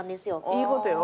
いいことよ。